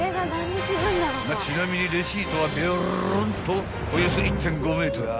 ［ちなみにレシートはべろんとおよそ１．５ｍ］